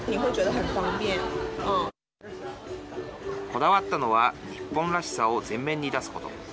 こだわったのは日本らしさを全面に出すこと。